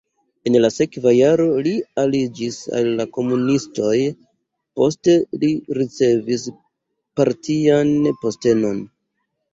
En la sekva jaro li aliĝis al la komunistoj, poste li ricevis partian postenon.